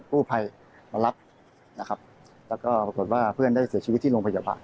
กู้ภัยมารับนะครับแล้วก็ปรากฏว่าเพื่อนได้เสียชีวิตที่โรงพยาบาล